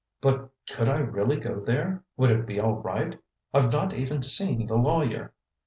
"But could I really go there? Would it be all right? I've not even seen the lawyer."